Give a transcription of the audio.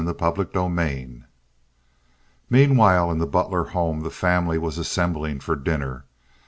Chapter XLVI Meanwhile, in the Butler home the family was assembling for dinner.